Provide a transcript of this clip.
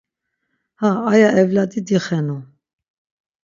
Ha aya evladi dixenu.